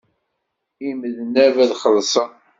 Imednab ad xellṣen.